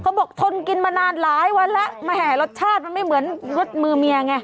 บอกทนกินมานานหลายวันแล้วแหมรสชาติมันไม่เหมือนรสมือเมียไง